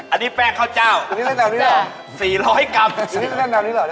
อันนี้แป้งข้าวเจ้า๔๐๐กรัม